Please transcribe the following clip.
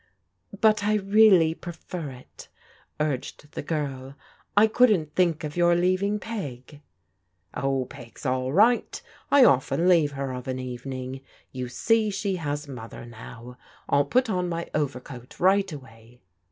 " But I really prefer it," urged the girl. " I couldn't think of your leaving Peg.'* " Oh, Peg's all right. I often leave her of an evening. You see she has Mother now. I'll put on my overcoat right away."